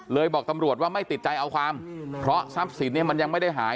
บอกตำรวจว่าไม่ติดใจเอาความเพราะทรัพย์สินเนี่ยมันยังไม่ได้หาย